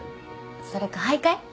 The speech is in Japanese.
それか徘徊？